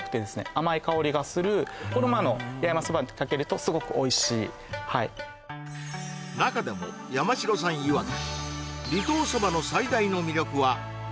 甘い香りがするこれもあの八重山そばにかけるとすごくおいしいはい中でも山城さんいわく